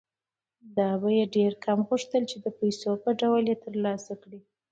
یا به یې ډېر کم غوښتل چې د پیسو په ډول یې ترلاسه کړي